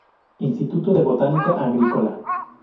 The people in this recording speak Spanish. Instituto de Botánica Agrícola.